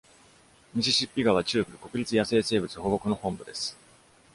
ミシシッピ川中部国立野生生物保護区の本部です。